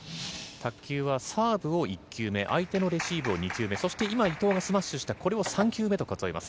卓球はサーブを１球目相手のレシーブを２球目そして今、伊藤がスマッシュしたこれは３球目と数えます。